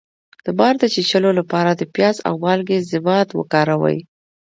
د مار د چیچلو لپاره د پیاز او مالګې ضماد وکاروئ